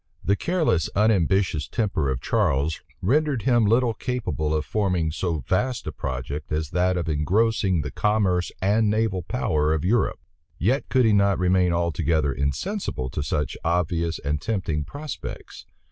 The careless, unambitious temper of Charles rendered him little capable of forming so vast a project as that of engrossing the commerce and naval power of Europe; yet could he not remain altogether insensible to such obvious and such tempting prospects.